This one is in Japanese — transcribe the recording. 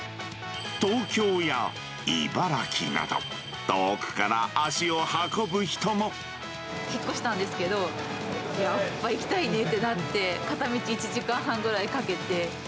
東京や茨城など、引っ越したんですけれども、やっぱり行きたいねってなって、片道１時間半ぐらいかけて。